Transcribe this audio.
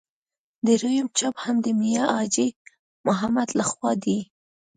درېیم چاپ هم د میا حاجي محمد له خوا دی.